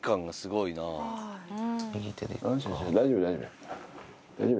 大丈夫や、大丈夫。